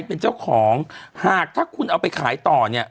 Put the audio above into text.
เป็นการกระตุ้นการไหลเวียนของเลือด